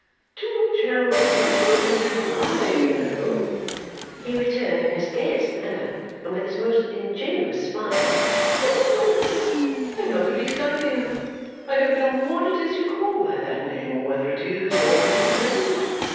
'" "To which Harold Skimpole would reply, you know," he returned in his gayest manner and with his most ingenuous smile, "'Upon my life I have not the least idea! I don't know what it is you call by that name, or where it is, or who possesses it.